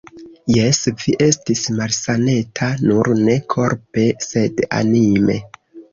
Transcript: Jes, vi estis malsaneta, nur ne korpe, sed anime.